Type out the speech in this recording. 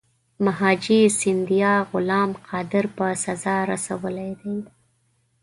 مهاجي سیندیا غلام قادر په سزا رسولی دی.